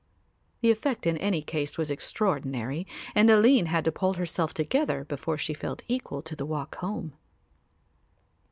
The effect in any case was extraordinary and Aline had to pull herself together before she felt equal to the walk home.